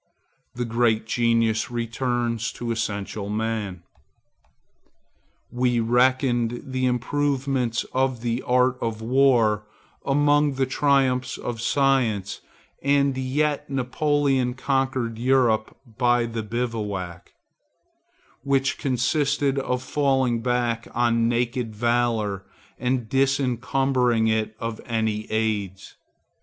The great genius returns to essential man. We reckoned the improvements of the art of war among the triumphs of science, and yet Napoleon conquered Europe by the bivouac, which consisted of falling back on naked valor and disencumbering it of all aids.